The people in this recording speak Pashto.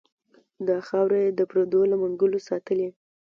دا خاوره یې د پردو له منګلو ساتلې.